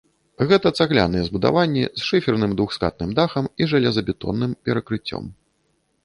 Гэта цагляныя збудаванні з шыферным двухскатным дахам і жалезабетонным перакрыццем.